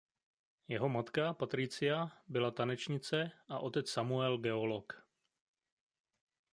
Jeho matka Patricia byla tanečnice a otec Samuel geolog.